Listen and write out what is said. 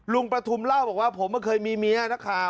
ลุงประทุมเล่าผมเมื่อเคยมีเมียกัน